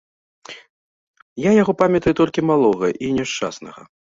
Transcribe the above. Я яго памятаю толькі малога і няшчаснага.